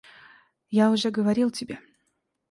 Я уже говорил тебе.